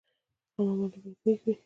عمل ولې باید نیک وي؟